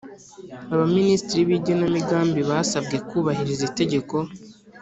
aba minisitiri bigenamigambi basabwe kubahiriza itegeko